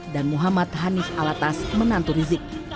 dan muhammad hanif alatas menantu rizik